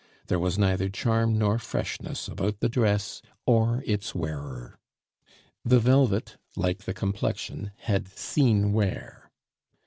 There was neither charm nor freshness about the dress or its wearer; the velvet, like the complexion had seen wear.